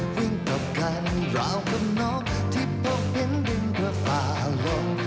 วิ่งกับกันราวกับน้องที่พบเห็นดินด้วยฟ้าลง